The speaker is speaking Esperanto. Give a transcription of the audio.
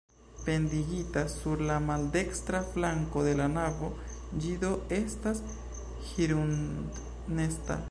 Pendigita sur la maldekstra flanko de la navo, ĝi do estas hirundnesta.